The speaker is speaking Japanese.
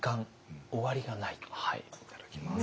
いただきます。